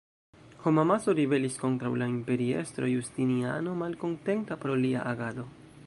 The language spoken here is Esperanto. Homamaso ribelis kontraŭ la imperiestro Justiniano, malkontenta pro lia agado.